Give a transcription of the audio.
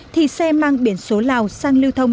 thì xe mang biển số lào sang lưu thông